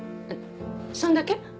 そんだけ？